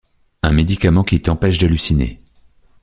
Un médicament qui t’empêche d’halluciner.